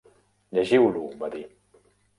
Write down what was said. "Llegiu-lo", va dir.